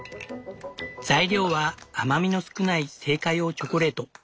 材料は甘みの少ない製菓用チョコレート。